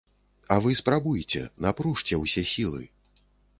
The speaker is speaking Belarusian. А вы спрабуйце, напружце ўсе сілы.